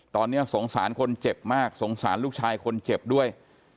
ตอนนี้สงสารคนเจ็บมากสงสารลูกชายคนเจ็บด้วย